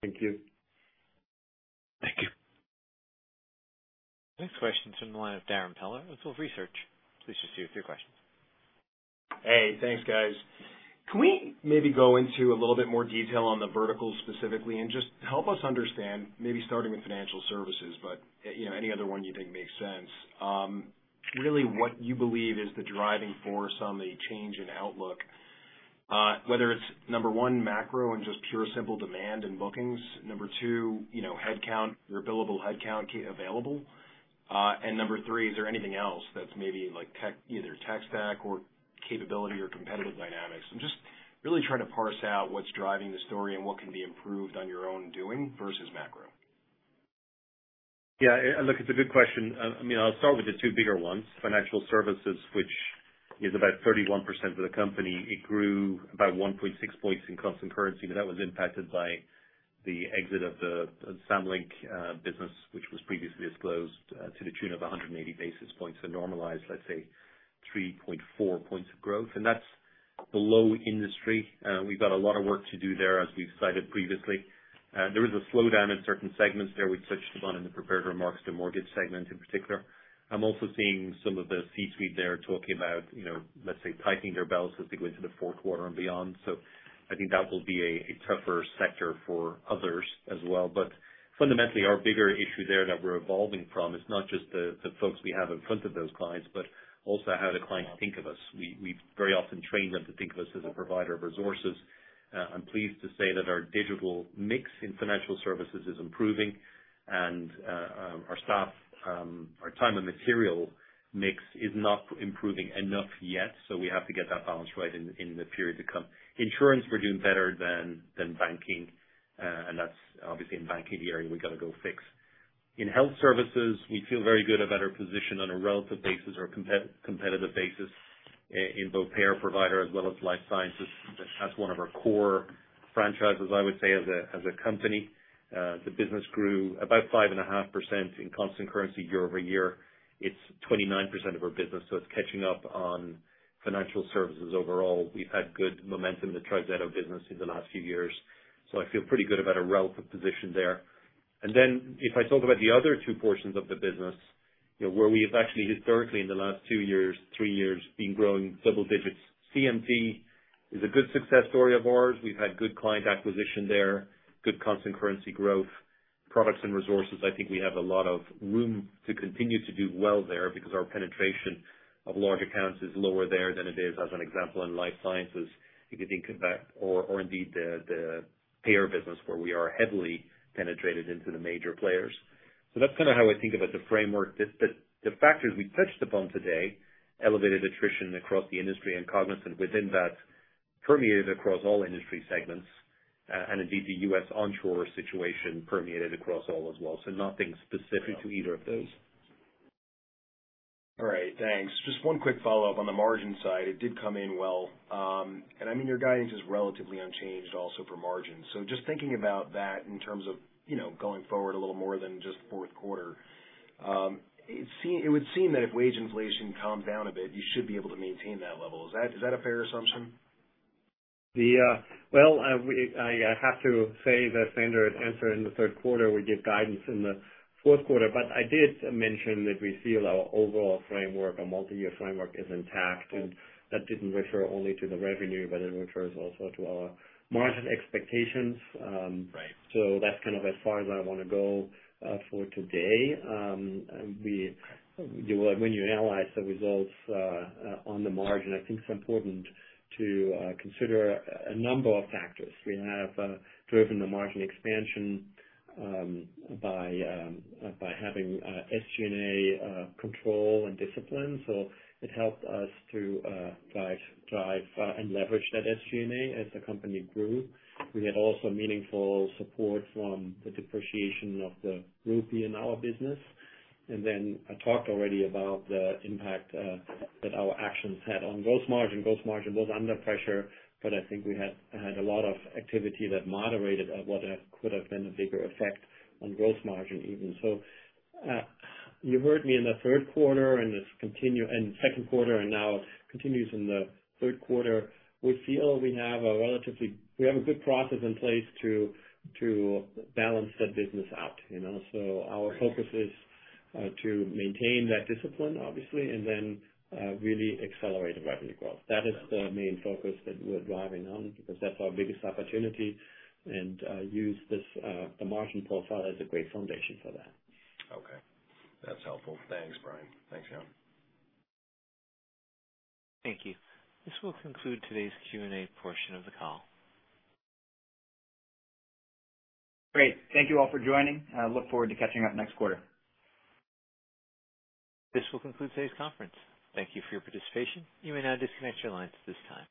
Thank you. Thank you. Next question's from the line of Darrin Peller with Wolfe Research. Please proceed with your questions. Hey, thanks guys. Can we maybe go into a little bit more detail on the verticals specifically and just help us understand, maybe starting with financial services, but, you know, any other one you think makes sense. Really what you believe is the driving force on the change in outlook, whether it's number one, macro and just pure simple demand and bookings. Number two, you know, headcount, your billable headcount available. And number three, is there anything else that's maybe like tech, either tech stack or capability or competitive dynamics? I'm just really trying to parse out what's driving the story and what can be improved on your own doing versus macro. Yeah, and look, it's a good question. I mean, I'll start with the two bigger ones. Financial services, which is about 31% of the company. It grew about 1.6 points in constant currency, but that was impacted by the exit of the Samlink business, which was previously disclosed, to the tune of 180 basis points to normalize, let's say, 3.4 points of growth. That's below industry. We've got a lot of work to do there, as we've cited previously. There is a slowdown in certain segments there. We touched upon in the prepared remarks, the mortgage segment in particular. I'm also seeing some of the C-suite there talking about, you know, let's say, tightening their belts as they go into the fourth quarter and beyond. I think that will be a tougher sector for others as well. Fundamentally, our bigger issue there that we're evolving from is not just the folks we have in front of those clients, but also how the clients think of us. We very often train them to think of us as a provider of resources. I'm pleased to say that our digital mix in financial services is improving and our time and material mix is not improving enough yet, so we have to get that balance right in the period to come. Insurance, we're doing better than banking. That's obviously in banking area we've got to go fix. In health services, we feel very good about our position on a relative basis or competitive basis in both payer, provider as well as life sciences. That's one of our core franchises, I would say, as a, as a company. The business grew about 5.5% in constant currency year-over-year. It's 29% of our business, so it's catching up on financial services overall. We've had good momentum in the TriZetto business in the last few years, so I feel pretty good about our relative position there. If I talk about the other two portions of the business, you know, where we have actually historically in the last two years, three years, been growing double digits. CMT is a good success story of ours. We've had good client acquisition there, good constant currency growth. Products and resources, I think we have a lot of room to continue to do well there because our penetration of large accounts is lower there than it is as an example in life sciences. You can think of that or indeed the payer business where we are heavily penetrated into the major players. So that's kind of how I think about the framework. The factors we touched upon today, elevated attrition across the industry and Cognizant within that permeated across all industry segments. And indeed, the U.S. onshore situation permeated across all as well. Nothing specific to either of those. All right. Thanks. Just one quick follow-up on the margin side. It did come in well, and I mean, your guidance is relatively unchanged also for margins. Just thinking about that in terms of, you know, going forward a little more than just fourth quarter, it would seem that if wage inflation calmed down a bit, you should be able to maintain that level. Is that a fair assumption? Well, I have to say the standard answer in the third quarter, we give guidance in the fourth quarter, but I did mention that we feel our overall framework, our multi-year framework is intact. That didn't refer only to the revenue, but it refers also to our margin expectations. Right. That's kind of as far as I wanna go for today. When you analyze the results on the margin, I think it's important to consider a number of factors. We have driven the margin expansion by having SG&A control and discipline. It helped us to drive and leverage that SG&A as the company grew. We had also meaningful support from the depreciation of the rupee in our business. I talked already about the impact that our actions had on gross margin. Gross margin was under pressure, but I think we had a lot of activity that moderated what could have been a bigger effect on gross margin even. You heard me in the second quarter, and now it continues in the third quarter. We have a good process in place to balance that business out, you know. Our focus is to maintain that discipline, obviously, and then really accelerate the revenue growth. That is the main focus that we're driving on because that's our biggest opportunity and use this, the margin profile as a great foundation for that. Okay. That's helpful. Thanks, Brian. Thanks, Jan. Thank you. This will conclude today's Q&A portion of the call. Great. Thank you all for joining. I look forward to catching up next quarter. This will conclude today's conference. Thank you for your participation. You may now disconnect your lines at this time.